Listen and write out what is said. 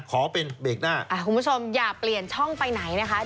ขอเป็นเบรกหน้าคุณผู้ชมอย่าเปลี่ยนช่องไปไหนนะคะ